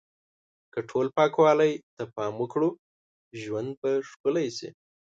که ټول پاکوالی ته پام وکړو، ژوند به ښکلی شي.